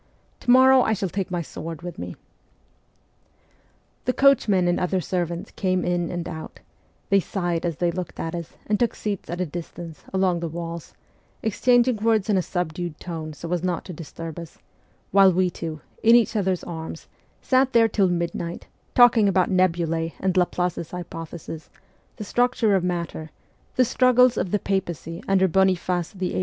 To morrow I shall take my sword with me.' The coachmen and other servants came in and out ; they sighed as they looked at us, and took seats at a dis tance, along the walls, exchanging words in a subdued tone so as not to disturb us ; while we two, in each other's arms, sat there till midnight, talking about nebulae and Laplace's hypothesis, the structure of matter, the struggles of the papacy under Boniface VIII.